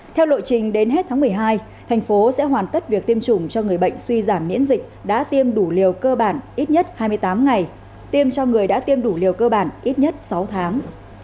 theo lộ trình đến hết tháng một mươi hai thành phố sẽ hoàn tất việc tiêm chủng cho người bệnh suy giảm miễn dịch đã tiêm đủ liều cơ bản ít nhất hai mươi tám ngày tiêm cho người đã tiêm đủ liều cơ bản ít nhất sáu tháng